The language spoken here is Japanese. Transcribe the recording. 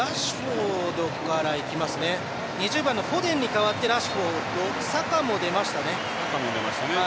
２０番のフォデンに代わってラッシュフォードサカも出ました。